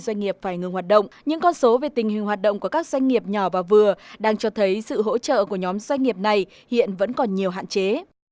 doanh nghiệp phải ngừng hoạt động nhưng con số về tình hình hoạt động của các doanh nghiệp nhỏ và vừa đang cho thấy sự hỗ trợ của nhóm doanh nghiệp này hiện vẫn còn nhiều hạn chế